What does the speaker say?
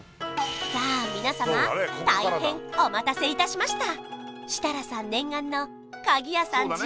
さあ皆様大変お待たせいたしました